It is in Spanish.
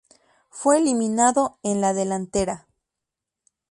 Fue eliminado en la delantera.